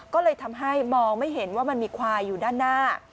ก็เลยทำให้มองไม่เห็นว่ามันมีควายอยู่ด้านหน้า